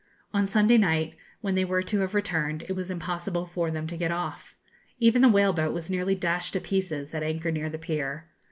On Sunday night, when they were to have returned, it was impossible for them to get off. Even the whale boat was nearly dashed to pieces, at anchor, near the pier.